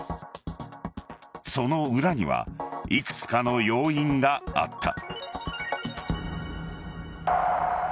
その裏には幾つかの要因があった。